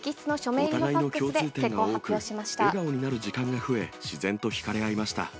お互いの共通点が多く、笑顔になる時間が増え、自然と引かれ合いました。